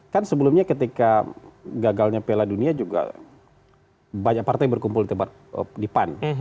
kan sebelumnya ketika gagalnya piala dunia juga banyak partai berkumpul di pan